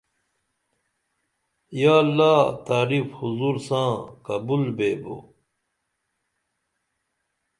یا اللہ تعریف حضور ساں قبول بیبو